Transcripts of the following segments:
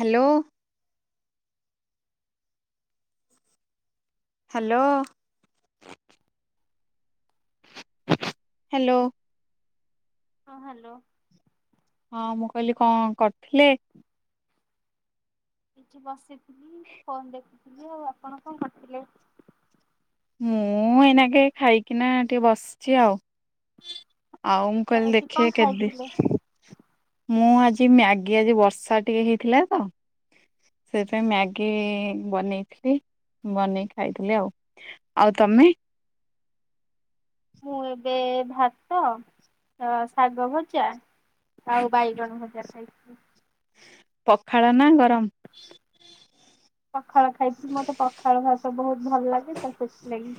Hello. Hello. Hello. ହଁ hello. ହଁ ମୁଁ କହିଲି କଣ କରିଥିଲେ? ଏଠି ବସିଥିଲି ଫୋନ ଦେଖୁଥିଲି ଆଉ ଆପଣ କଣ କରୁଥିଲେ? ମୁଁ ଏଇନାଗେ ଖାଇକିନା ଟିକେ ବସିଛି ଆଉ। ଆଉ ମୁଁ କହିଁଲି ଆଜି କଣ ଦେଖିବା କେତଦି ଖାଇଥିଲେ? ମୁଁ ଆଜି ମ୍ୟାଗି ଆଜି ବର୍ଷା ଟିକେ ହେଇଥିଲା ତ ସେଥିାଇଁ ମ୍ୟାଗି ବନେଇଥିଲି ବନେଇକି ଖାଇଥିଲି ଆଉ। ଆଉ ତମେ? ମୁଁ ଏବେ ଭାତ ଶାଗ ଭଜା ଆଉ ବାଇଗଣ ଭଜା ଖାଇଥିଲି। ପଖାଳ ନା ଗରମ? ପଖାଳ ଖାଇଥିଲି ମତେ ପଖାଳ ଭାତ ବହୁତ ଭଲ ଲାଗେ ତ ସେଥିଲାଗି।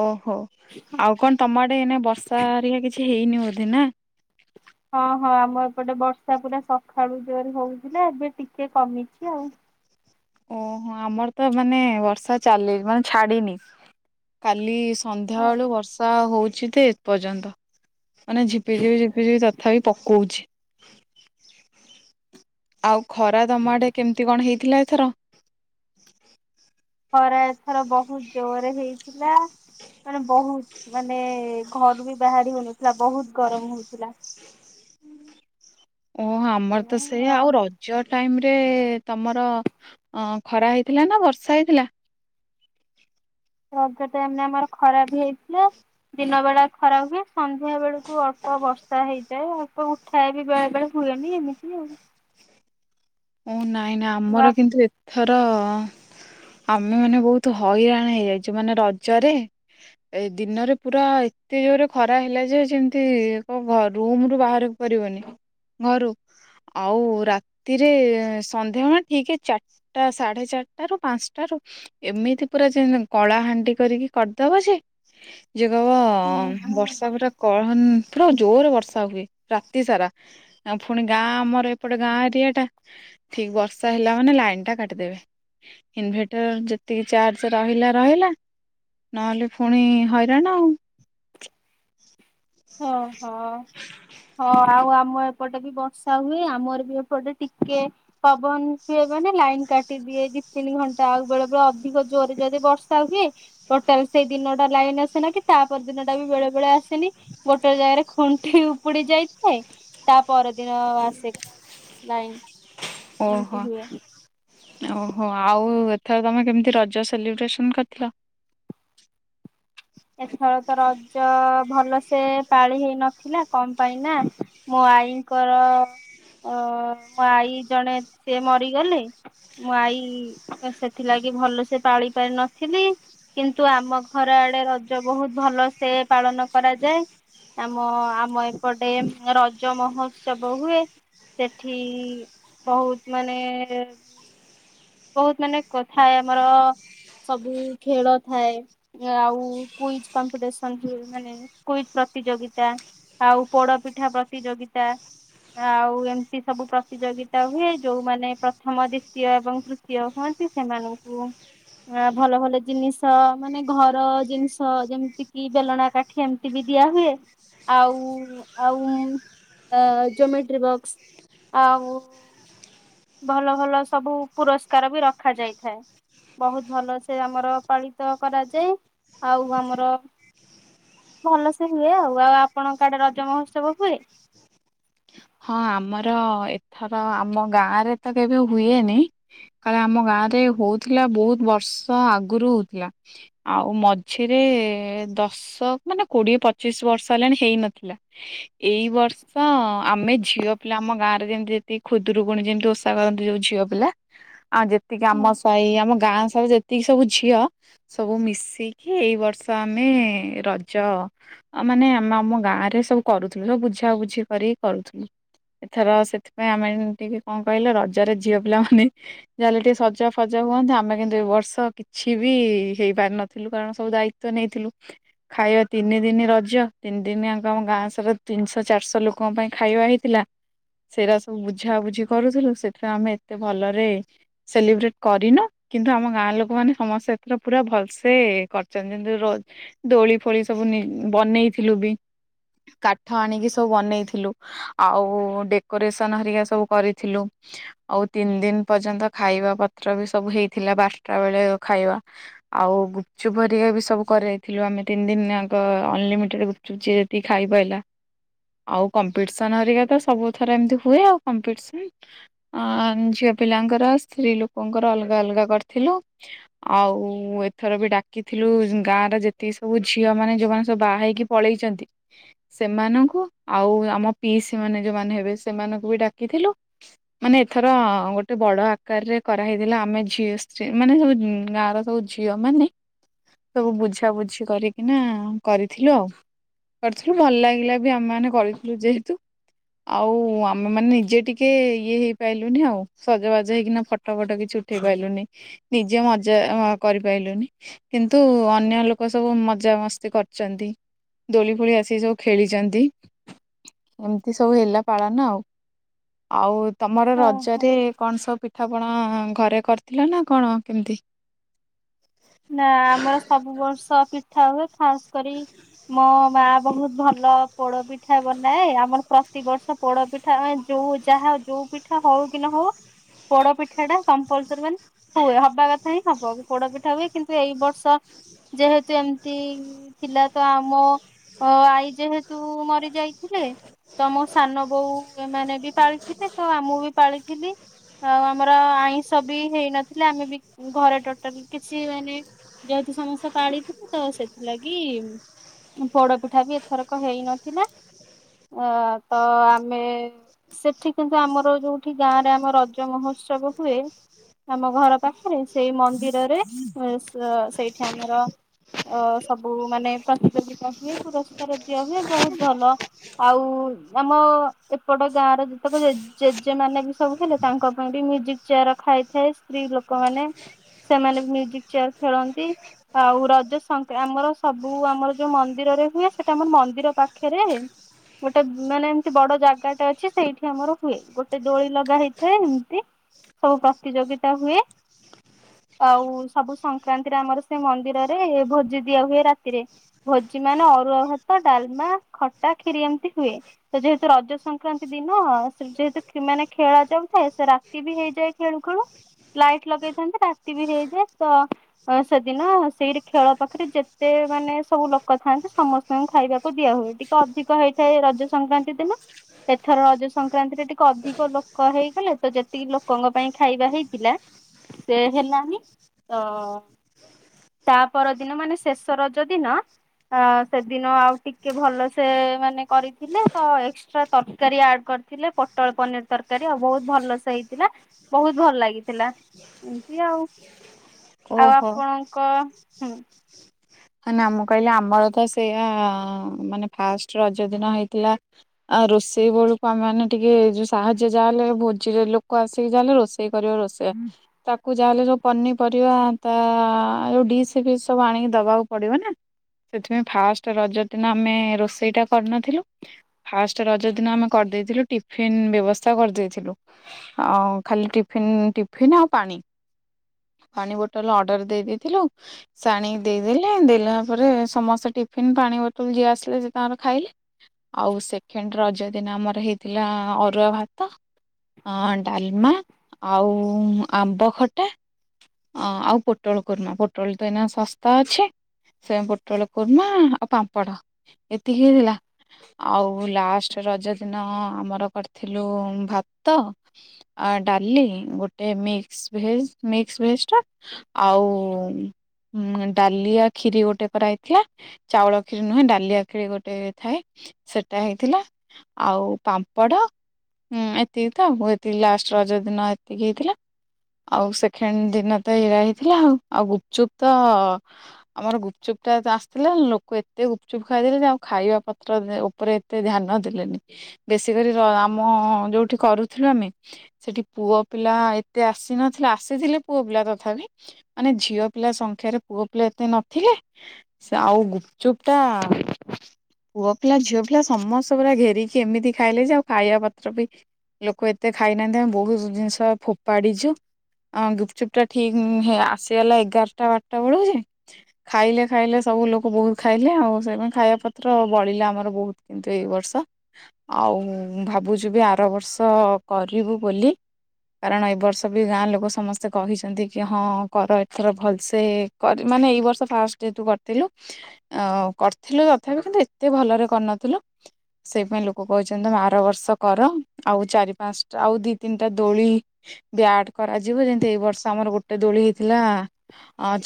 ଓହୋ ଆଉ କଣ ତମ ଆଡ଼େ ଏଇନ ବର୍ଷା ଆରିକା କିଛି ହେଇନି ବୋଧେ ନା ହଁ ହଁ ଆମ ଏପଟେ ବର୍ଷା ପୁରା ସକାଳୁ ଜୋରେ ହଉଥିଲା ଏବେ ଟିକେ କମିଛି ଆଉ। ଓହୋ ଆମର ତ ମାନେ ବର୍ଷା ଚାଲି ମାନେ ଛାଡ଼ିନି। କାଲି ହଁ ସନ୍ଧ୍ୟାବେଳୁ ବର୍ଷା ହଉଛି ଯେ ଏ ପର୍ଯ୍ୟନ୍ତ। ଏଇନା ଝିପି ଝିପି ଝିପିଝପି ତଥାପି ପକଉଛି। ଆଉ ଖରା ତମ ଆଡ଼େ କେମିତି କଣ ହେଇଥିଲା ଏଥର? ଖରାଏଥର ବହୁତ ଜୋରରେ ହେଇଥିଲା ମାନେ ବହୁତ ମାନେ ଘରୁ ବି ବାହାରି ହଉନଥିଲା ବହୁତ ଗରମ ହଉଥିଲା। ଓହୋ ଆମର ତ ସେଇଆ ଆଉ ରଜ ଟାଇମ୍ ରେ ତମର ଅ ଖରା ହେଇଥିଲା ନା ବର୍ଷା ହେଇଥିଲା? ରଜ ଟାଇମ୍ ରେ ଆମର ଖରାବି ହେଇଥିଲା। ଦିନ ବେଳା ଖରା ହୁଏ ସନ୍ଧ୍ୟା ବେଳକୁ ଅଳ୍ପ ବର୍ଷା ହେଇଯାଏ ଅଳ୍ପ ଠା ବି ବେଳେ ବେଳେ ହୁଏନି ଏମିତି ଆଉ ଓ ନାଇଁ ନାଇଁ ବା ଆମର କିନ୍ତୁ ଏଥର ଆମେ ମାନେ ବହୁତ ହଇରାଣ ହେଇଯାଇଛୁ ମାନେ ରଜରେ ଏ ଦିନରେ ପୁରା ଏତେ ଜୋର ଖରା ହେଲା ଯେ ଯେମିତି କ ଘ ରୁମ ରୁ ବାହାର କରିବନି ଘରୁ ଆଉ ରା ଯେ ସନ୍ଧ୍ୟାବେ ଠିକ୍ ଚାରିଟା ସାଢ଼େ ଚାରିଟ ରୁ ପାଞ୍ଚଟାରୁ ଏମିତି ପୁରା ଯେନ କଳା ହାଣ୍ଡି କରିକି କରିଦବ ଯେ ଯିଏ କହିବ ହଁ ବର୍ଷା ପୁରା କହିନ ପୁରା ଜୋର ବର୍ଷା ହୁଏ ରାତି ସାରା ଆ ପୁଣି ଗାଁ ଆମର ଏପଟ ଗାଁ ଏରିଆ ଟା। ଠିକ୍ ବର୍ଷା ହେଲା ମାନେ ଲାଇନ ଟା କାଟିଦେବେ। ଇନଭେଟର ଯେତିକି ଚାର୍ଜ ରହିଲା ରହିଲା। ନହେଲେ ପୁଣି ହଇରାଣ ଆଉ। ଆ ହଁ ହ ଆଉ ଆମ ଏପଟେ ବି ବର୍ଷା ହୁ ପବନ ହୁଏ ମାନେ ଲାଇନ କାଟିଦିଏ ଦି ତିନି ଘଣ୍ଟା ଆଉ ବେଳେ ବେଳେ ଅଧିକ ଜୋରରେ ଯଦି ବର୍ଷା ହୁଏ ଟୋଟାଲ ସେଇ ଦିନ ଟା ଲାଇନ ଆସେନା କି ତାପର ଦିନ ଟା ବି ବେଳେ ବେଳେ ଆସେନି। ଗୋଟେ ଜାଗାରେ ଖୁଣ୍ଟି ଉପୁଡ଼ି ଯାଇଥାଏ ତା ପରଦିନ ଆସେ। ଲାଇନ୍। ଓହୋ। ଓହୋ ଆଉ ଏଥର ତମେ କେମିତି ରଜ ସେଲିବ୍ରେସନ କରିଥିଲ? ଏଥର ତ ରଜ ଭଲସେ ପାଳି ହେଇ ନଥିଲା କଣ ପାଇଁ ନା? ମୋ ଆଈଙ୍କର ଅ ମୋ ଆଈ ଜଣେ ସିଏ ମରିଗଲେ। ମୋ ଆଈ ସେଥିଲାଗି ଭଲ ସେ ପାଳି ପାରି ନଥିଲି। କିନ୍ତୁ ଆମ ଘର ଆଡ଼େ ରଜ ବହୁତ ଭଲ ସେ ପାଳନ କରାଯାଏ। ଆମ ଆମ ଏପଟେ ରଜ ମହୋତ୍ସବ ହୁଏ। ସେଠି ବହୁତ ମାନେ। ବହୁତ ମାନେ କଥା ଏ ଆମର। ସବୁ ଖେଳ ଥାଏ ଆଉ କୁଇଜ କମ୍ପିଟିସନ ହୁଏ ମାନେ କୁଇଜ ପ୍ରତିଯୋଗିତା ଆଉ ପୋଡପିଠା ପ୍ରତିଯୋଗିତା। ଆଉ ଏମିତି ସବୁ ପ୍ରତିଯୋଗିତା ହୁଏ ଯୋଉମାନେ ପ୍ରଥମ ଦ୍ଵିତୀୟ ଏବଂ ତୃ ଇଏ ହୁଅନ୍ତି ସେମାନଙ୍କୁ ଆ ଭଲ ଭଲ ଜିନିଷ ମାନେ ଘର ଜିନିଷ ଯେମିତି କିି ବେଲଣା କା ଏମିତି ବି ଦିଆ ହୁଏ ଆଉ ଆଉ ଅ ଜୋମେଟ୍ରି ବକ୍ସ ଆଉ ଭଲ ଭଲ ସବୁ ପୁରସ୍କାର ବି ରଖା ଯାଇଥାଏ। ବହୁତ ଭଲ ସେ ଆମର ପାଳିତ କରାଯାଏ ଆଉ ଆମର ଭଲ ସେ ହୁଏ ଆଉ ଆଉ ଆପଣଙ୍କ ଆଡେ ରଜ ମହୋତ୍ସବ ହୁଏ? ହଁ ଆମର ଏଥର ଆମ ଗାଁରେ ତ କେବେ ହୁଏନି କାଳେ ଆମ ଗାଁ ରେ ହଉଥିଲା ବହୁତ ବର୍ଷ ଆଗରୁ ହଉଥିଲା। ଆଉ ମଝିରେ ଦଶ ବର୍ଷ ମାନେ କୋଡିଏ ପଚିଶ ବର୍ଷ ହେଲାଣି ହେଇନଥିଲା ଏଇ ବର୍ଷ ଆମେ ଝିଅ ପିଲା ଆମ ଗାଁରେ ଯେମିତି ଯେତିିକି ଖୁଦୁରୁକୁୁଣୀ ଯେମିତି ଓଷା କରନ୍ତି ଯୋଉ ଝିଅ ପିଲା ଆଉ ଯେତିକି ହୁଁ ଆମ ସାହି ଆମ ଗାଁ ସ ଯେତିକି ସବୁ ଝିଅ ସବୁ ମିଶିକି ଏଇ ବର୍ଷ ଆମେ ରଜ ମାନେ ଆମେ ଆମ ଗାଁ ରେ ସବୁ କରୁଥିଲୁ ସବୁ ବୁଝା ବୁଝି କରିକି କରୁଥିଲୁ। ଏଥର ସେଥିପାଇଁ ଆମେ ଟିକେ କଣ କହିଲ ରଜରେ ଝିଅ ପିଲାମାନୋ ଯାହେଲେ ଟିକେ ସଜା ଫଜ ହୁଅନ୍ତି ଆମେ କିନ୍ତୁ ଏ ବର୍ଷ କିଛି ବି ହେଇପାରିିନଥିଲୁ କାରଣ ସବୁ ଦାୟିତ୍ୱ ନେଇଥିଲୁ ଖାଇବା ତିନି ଦିନ ରଜ ତିନି ଦିନ ଜାଙ୍କ ଆମ ଗାଁ ସାରା ତିନିଶହ ଚାରିଶହ ଲୋକ କଣ ପାଇଁ ଖାଇବା ହେଇଥିଲା ସେଇଟା ସବୁ ବୁଝାବୁଝି କରୁଥିଲୁ ସେଥିରେ ଆମେ ଏତେ ଭଲରେ ସେଲିବ୍ରେଟ କରିନୁ। କିନ୍ତୁ ଆମ ଗାଁ ଲୋକମାନେ ସମସ୍ତେ ଏଥର ପୁରା ଭଲସେ କରିଛନ୍ତି ଯେମିତି ଦୋଳି ଫୋଳି ସବୁ ନି ବନେଇଥିଲୁ ବି କାଠ ଆଣିକି ସବୁ ବନେଇଥିଲୁ। ଆଉ ଡେକୋରେସନ ଘରିକା ସବୁ କରିଥିଲୁ। ଆଉ ତିନି ଦିନ ପର୍ଯ୍ୟନ୍ତ ଖାଇବା ପତ୍ର ବି ସବୁ ହେଇଥିଲା ବାରଟା ବେଳେ ଖାଇବା। ଆଉ ଗୁପଚୁପ ଘରିକା ବି ସବୁ କରାଇଥିଲୁ ଆମେ ତିନି ଦିନ ଆଙ୍କ ଅନଲିମିଟେଡ ଚୁଛିରେଦି ଖାଇ ପାରିଲା। କମ୍ପିଟିସନଘରିକା ତ ସବୁ ଥର ଏମତି ହୁଏ ଆଉ କମ୍ପିଟିସନ ଅ ଝିଅ ପିଲାଙ୍କର ସ୍ତ୍ରୀ ଲୋକଙ୍କର ଅଲଗା ଅଲଗା କରିଥିଲୁ। ଆଉ ଏଥର ବି ଡାକିଥିଲୁ ଗାଁରେ ଯେତିକି ସବୁ ଝିଅ ମାନେ ଯୋଉମାନେ ସବୁ ବାହା ହେଇକି ପଳେଇଛନ୍ତି ସେମାନଙ୍କୁ ଆଉ ଆମ ପିଇସି ମାନେ ଯୋଉମାନେ ହେବେ ସେମାନଙ୍କୁ ବି ଡାକିଥିଲୁ। ମାନେ ଏଥର ଗୋଟେ ବଡ ଆକାରରେ କରାହେଇଥିଲା ଆମେ ଝିଅ ସ୍ତ୍ରୀ ମାନେ ସବୁ ଉଁ ଗାଁର ସବୁ ଝିଅ ମାନେ ସବୁ ବୁଝ ବୁଝି କରିକିନା କରିଥିଲୁ ଆଉ। କରିଥିଲୁ ଭଲ ଲାଗିଲା ବି ଆମେ ମାନେ କରିଥିଲୁ ଯେହେତୁ। ଆଉ ଆମେ ମାନେ ନିଜେ ଟିକେ ଇଏ ହେଇପାରିଲୁନି ଆଉ ସଜବାଜ ହେଇକିନା ଫଟୋ ଫଟ କିଛି ଉଠ ଉଠେଇ ପାରିଲୁନି ନିଜେ ମଜା କରିପାରଲୁନି। କିନ୍ତୁ ଅନ୍ୟ ଲୋକ ସବୁ ମଜ ମସ୍ତି କରିଛନ୍ତି। ଦୋଳି ଫୋଳି ଆସିିକି ସବୁ ଖେଳିଛନ୍ତି। ଏମିତି ସବୁ ହେଲା ପାଳାନ ଆଉ ଆଉ ତମର ଓହୋ ରଜରେ କଣ ସବୁ ପିଠାପଣା ଘରେ କରିଥିଲ ନା କଣ କେମିତି? ନା ଆମର ସବୁ ବର୍ଷ ପିଠା ହୁଏ ଖାସ କରି ମ ମା ବହୁତ ଭଲ ପୋଡ ପି ଠା ବନାଏ ଆମର ପ୍ରତିିବର୍ଷ ପୋଡ ପିଠା ଯୋଉ ଯାହା ଯୋଉ ପିଠା ହଉ କି ନ ହଉ ପୋଡ ପିଠା ଟା କମ୍ପଲସୀ ମାନେ ହୁଏ ହବା କଥା ହିଁ ହବ ପୋଡ ପିଠା ହୁଏ କିନ୍ତୁ ଏଇ ବର୍ଷ ଯେହେତୁ ଏମିତି ଥିଲା ତ ଆମ ଆଈ ଯେହେତୁ ମରି ଯାଇଥିଲେ ତ ମୋ ସାନ ବୋଉ ଏ ମାନେ ବି ପାଳିଥିଲେ ତ ଆମଁ ବି ପାଳିଥିଲି ଆଉ ଆମର ଆଇଁଷ ବି ହେଇନଥିଲେ ଆମେ ବି ଘରେ ଟୋଟାଲ କିଛି [unintelligible] ମାନେ ଯୋତୁ ସମସ୍ତେ ପାଳିଥିଲେ ତ ସେଥିଲାଗି ପୋଡପିଠା ବି ଏଥରକ ହେଇନଥିଲା ଅ ତ ଆମେ ସେଠି କିନ୍ତୁ ଆମର ଯୋଉଠି ଗାଁ ରେ ଆମ ରଜ ମହୋତ୍ସବ ହୁଏ। ଆମ ଘର ପାଖରେ ସେଇ ମନ୍ଦିରରେ ସ ସେଇଠି ଆମର ଅ ସବୁ ମାନେ ପ୍ରତିଯୋଗିତା ହୁଏ ପୁରସ୍କାର ଦିଆ ହୁଏ ବୋହୁତ ଭଲ ଆଉ ଆମ ଏପଟ ଗାଁ ର ଯେତେକ ଜେଜେ ମାନ ବି ସବୁ ଥିଲେ ତାଙ୍କ ପାଇଁ ବି ମ୍ୟୁଜିକ୍ ଚେୟାର ଖାଇଥାଏ ସ୍ତ୍ରୀ ଲୋକମାନେ ସେମାନେ ମୁଜିକ ଚେୟାର ଖେଳନ୍ତି। ଆଉ ରଜ ସଂଙ୍କ ଆମର ସବୁ ଆମର ଯୋଉ ମନ୍ଦିରରେ ହୁଏ ସେଟା ଆମର ମନ୍ଦିର ପାଖରେ ଗୋଟେ ମାନେ ଏମତି ବଡ ଜାଗାଟେ ଅଛି ସେଇଠି ଆମର ହୁଏ ଗୋଟେ ଦୋଳି ଲଗା ହେଇଥାଏ ଏମିତି। ସବୁ ପ୍ରତିଯୋଗିତା ହୁଏ ଆଉ ସବୁ ସଂକ୍ରାନ୍ତିରେ ଆମର ସେ ମନ୍ଦିରରେ ଭୋଜି ଦିଆ ହୁଏ ରାତିରେ। ଭୋଜି ମାନ ଅରୁଆ ଭାତ ଡାଲମା ଖଟା କ୍ଷୀରି ଏମିତି ହୁଏ। ତ ଯେହେତୁ ରଜ ସଂକ୍ରାନ୍ତି ଦିନ ସେ ଯେହେତୁ ମାନେ ଖେଳା ଯାଉଥାଏ ସେ ରା ରାତି ବି ହେଇଯାଏ ଖେଳୁ ଖେଳୁ ଲାଇଟ ଲଗେଇଥାନ୍ତି ରାତି ବି ହେଇଯାଏ ତ ଅ ସେଦିନ ସେଇଟି ଖେଳ ପାଖରେ ଯେତେ ମାନେ ସବୁ ଲୋକ ଥାଆନ୍ତି ସମସ୍ତେ ତାଙ୍କୁ ଖାଇବାକୁ ଦିଆ ହୁଏ ଟିକେ ଅଧିକ ହେଇଥାଏ ରଜ ସଂକ୍ରାନ୍ତି ଦିନ। ଏଥର ରଜ ସଂକ୍ରାନ୍ତିରେ ଟିକେ ଅଧିକ ଲୋକ ହେଇଗଲେ ତ ଯେତିକି ଲୋକଙ୍କ ପାଇଁ ଖାଇବା ହେଇଥିଲା ସେ ହେଲାନି ତ ତା ପର ଦିନ ମାନେ ଶେଷ ରଜ ଦିନ ଆ ସେଦିନ ଆଉ ଟିକେ ଭଲ ସେ ମାନେ କରିଥିଲେ ତ ଏକ୍ସଟ୍ରା ତରକାରୀ ଆଡ କରିଥିଲେ। ପୋଟଳ ପନିର ତରକାରୀ ଆଉ ବହୁତ ଭଲସେ ହେଇଥିଲା ବହୁତ ଭଲ ଲାଗିଥିଲା। ଏମିତି ଆଉ ଆଉ ଓହୋ। ଆପଣଙ୍କ ହୁଁ ନା ମୁଁ କହିଲି ଆମର ତ ସେଇୟା ମାନେ ଫାଷ୍ଟେ ରଜ ଦିନ ହେଇଥିଲା ଆଉ ରୋଷେଇ ବେଳକୁ ଆମ ମାନେ ଟିକେ ଯୋଉ ସାହାଯ୍ୟ ଯାହାଲେ ଭୋଜିରେ ଲୋକ ଆସିକି ଯାହା ହେଲେ ରୋଷେଇ ସେ କରିବ ରୋଷେଇୟା ତା କୁ ଯାହେଲେ ସବୁ ପନିପରିବା ତା ଯଉ ଡିସ୍ ବିସ୍ ସବୁ ଆଣିକି ଦବା ପଡ଼ିବ ନା ସେଥିପାଇଁ ଫାଷ୍ଟେ ରଜ ଦିନ ଆମେ ରୋଷେଇଟା କରିନଥିଲୁ। ଫାଷ୍ଟେ ରଜ ଦିନ ଆମେ କରିଦେଇଥିଲୁ ଟିଫିନ ବ୍ୟବସ୍ଥା କରିଦେଇଥିଲୁ। ଅ ଖାଲି ଟିଫନ୍ ଟିଫନ୍ ଆଉ ପାଣି। ପାଣି ବୋଟଲ ଅର୍ଡର ଦେଇ ଦେଇଥିଲୁ ଶିଣିକି ଦେଇଦେଲ ଦେଲା ପରେ ସମସ୍ତେ ଟିଫିନ ପାଣି ବୋତଲ ଯିଏ ଆସିଲେ ସେ ତାଙ୍କର ଖାଇଲେ। ଆଉ ସେଖେଣ୍ଡ ରଜ ଦିନ ଆମର ହେଇଥିଲା ଅରୁଆ ଭାତ ଅ ଡାଲମା ଆଉ ଆମ୍ବ ଖଟା। ଅ ଆଉ ପୋଟଳ କୁରୁମା ପୋଟଳ ତ ଏଇନା ଶସ୍ତା ଅଛି। ସେ ପୋଟଳ କୁରୂମା ଆଉ ପାମ୍ପଡ଼ ଏତିକି ହେଇଥିଲା। ଆଉ ଲାଷ୍ଟେ ରଜ ଦୀନ ଆମର କରିଥିଲୁ ଭାତ ଆ ଡା଼ଲି ଗୋଟେ ମିକ୍ସ ଭେଜ ମିକ୍ସ ଭେଜ ଟା ଆଉ ଡା଼ଲିଆ ଖୀରି ଗୋଟେ କରା ହେଇଥିଲା ଚାଉଳ ଖୀରି ନୁହେଁ ଡାଲିଆ ଖୀରି ଗୋଟେ ଥାଏ। ସେଟା ହେଇଥିଲା ଆଉ ପାମ୍ପଡ଼ ହୁଁ ଏତିକି ତ ଆଉ ଲାଷ୍ଟେ ରଜ ଦୀନ ଏତିକି ହେଇଥିଲା। ଆଉ ସେକଖେଣ୍ଡ ଦୀନ ତ ଏଇରା ହେଇଥିଲା ଆଉ ଆଉ ଗୁପଚୁପ ତ ଆମର ଗୁପଚୁପ୍ ଟା ତ ଆସିଥିଲା ଲୋକ ଏତେ ଗୁପଚୁପ୍ ଖାଇଦେଲେ ଯେ ଆଉ ଖାଇବା ପତ୍ରରେ ଓପରେ ଏତେ ଧ୍ୟାନ ଦେଲେନି ବେଶୀ କରି ର ଆମ ଯୋଉଠି କରୁଥିଲୁ ଆମେ ସେଠି ପୁଅ ପିଲା ଏତେ ଆସିନଥିଲା ଆସିଥିଲେ ପୁଅ ପିଲା ତଥାପି ମାନେ ଝିଅ ପିଲା ସଂଖ୍ୟାରେ ପୁଅ ପିଲା ଏତେ ନ ଥିଲେ ସେ ଆଉ ଗୁପଚୁପ ଟା ପୁଅ ପିଲା ଝିଅ ପିଲା ସମସ୍ତେ ପୁରା ଘେରିକି ଏମିତି ଖାଇଲେ ଯେ ଆଉ ଖାଇବା ପତ୍ର ବି ଲୋକ ଏତେ ଖାଇନାହାନ୍ତି ଆମେ ବହୁତ ଜିଜିନିଷ ଫୋପାଡି଼ଛୁ। ହଁ ଗୁପଚୁପ ଟା ଠିକ୍ ଆସିଗଲା ଏଗାରଟା ବାରଟା ବେଳୁ ଯେ ଖାଇଲେ ଖାଇଲେ ସବୁ ଲୋକ ବହୁତ୍ ଖାଇଲେ, ଆଉ ଖାଇବା ପତ୍ର ବଳିଲା ଆମର ବହୁତ୍ କିନ୍ତୁ ଏଇ ବର୍ଷ। ଆଉ ଭାବୁଚୁ ବି ଆର ବର୍ଷ କରିବୁ ବୋଲି। କାରଣ ଏ ବର୍ଷ ବି ଗାଁ ଲୋକ ସମସ୍ତେ କହିଚନ୍ତି କି ହଁ କର ଏଥର ଭଲ୍ ସେ। ମାନେ ଏଇ ବର୍ଷ ଫାଷ୍ଟ୍ କର୍ଥିଲି, ତଥାପି କିନ୍ତୁ ଏତେ ଭଲରେ କ--ନଥିଲୁ। ସେଇ ପାଇଁ ଲୋକ କ--ଚନ୍ତି ତମେ ଆର ବର୍ଷ କର, ଆଉ ଚାରି, ପାନ୍‌----ଆଉ ଦି ତିନ୍ଟା ଦୋଳି ବ୍ୟା-ଟ୍ କରାଯିବ, ଯେନ୍ତି ଏଇ ବର୍ଷ ଆମର ଗୋଟେ ଦୋଳି ହେଇଥିଲା।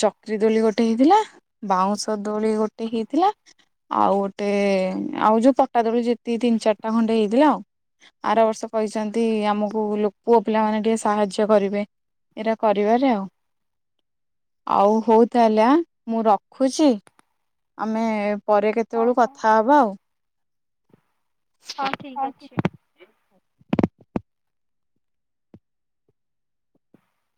ଚକ୍ରି ଦୋଳି ଗୋଟେ ହେଇ ବାଉଁଶ ଦୋଳି ଗୋଟେ ହେଇଥିଲା। ଆଉ ଗୋଟେ ଆଉ ଯଉ ପଟା ଦୋଳି ତିନ୍‌ ଚାର୍ଟା ଖଣ୍ଡେ ହେଇଥିଲା ଆଉ। ଆର ବର୍ଷ କହିଚନ୍ତି ଆମକୁ ପୁଅ ପିଲାମାନେ ଟିକେ ସାହାଯ୍ୟ କରିବେ। କରିବାରେ ଆଉ, ଆଉ ହଉ ତା'ହେଲେ ଆଁ ମୁଁ ରଖୁଚି। ଆମେ ପରେ କେତେ ହଉ ହଉ କଥା ହବା ଆଉ। ହଁ! ଠିକ୍ ଅଛି।